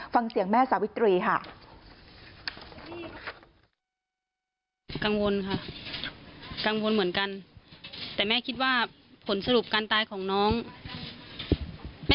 ฟังเสียงแม่สาวิตรีค่ะ